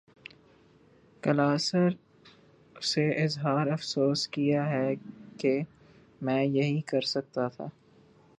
کلاسرا سے اظہار افسوس کیا کہ میں یہی کر سکتا تھا۔